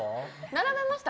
並べました！